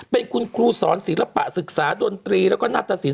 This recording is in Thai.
เป็นคุณครูสอนศิลปะศึกษาดนตรีแล้วก็นาตสิน